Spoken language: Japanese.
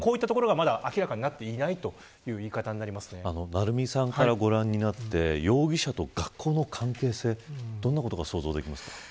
成三さんからご覧になって容疑者と学校の関係性どんなことが想像できますか。